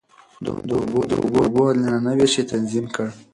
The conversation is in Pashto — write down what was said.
د اوبو عادلانه وېش يې تنظيم کړ.